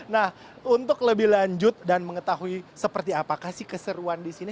nah untuk lebih lanjut dan mengetahui seperti apakah sih keseruan di sini